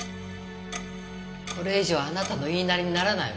これ以上あなたの言いなりにならないわ。